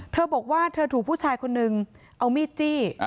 เธอบอกว่าเธอถูกผู้ชายคนนึงเอามีดจี้